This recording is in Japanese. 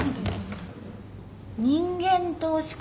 人間投資家？